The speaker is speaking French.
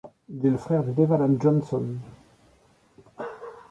Il est le frère de Dave Alan Johnson.